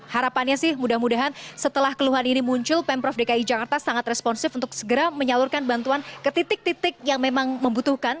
harapannya sih mudah mudahan setelah keluhan ini muncul pemprov dki jakarta sangat responsif untuk segera menyalurkan bantuan ke titik titik yang memang membutuhkan